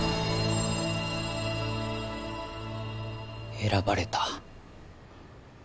選ばれた。